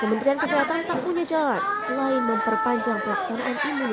kementerian keselatan tak punya jalan selain memperpanjang pelaksanaan imunisasi campak rubella